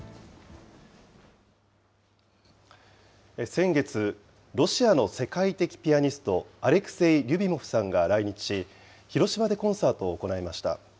先月、ロシアの世界的ピアニスト、アレクセイ・リュビモフさんが来日し、広島でコンサートを行いました。